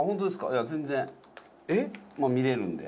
いや全然見れるんで。